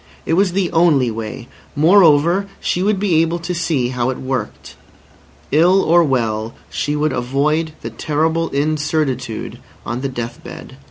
It was the only way. Moreover, she would be able to see how it worked. Ill or well she would avoid the horrible incertitude on the death bed.